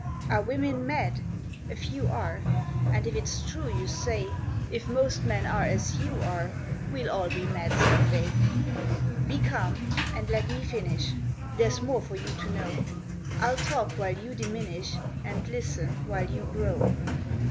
"Are women mad? A few are, And if it's true you say If most men are as you are We'll all be mad some day. Be calm and let me finish; There's more for you to know. I'll talk while you diminish, And listen while you grow.